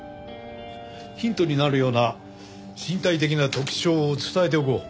ヒントになるような身体的な特徴を伝えておこう。